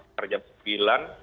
pada jam sembilan